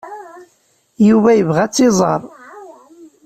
Yuba yebɣa ad tt-iẓer.